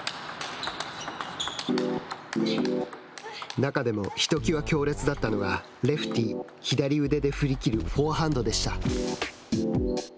中でもひときわ強烈だったのがレフティー左腕で振り切るフォアハンドでした。